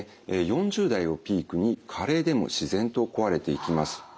４０代をピークに加齢でも自然と壊れていきます。